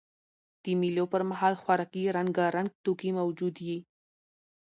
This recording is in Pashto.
د مېلو پر مهال خوراکي رنګارنګ توکي موجود يي.